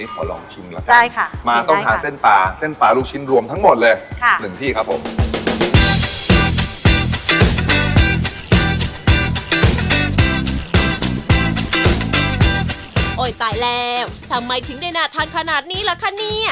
มีอะไรบ้างนะครับเพราะฉะนั้นวันนี้ขอลองชิมละครับ